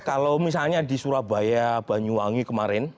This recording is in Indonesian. kalau misalnya di surabaya banyuwangi kemarin